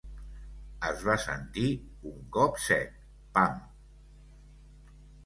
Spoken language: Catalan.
Es va sentir un cop sec. Pam!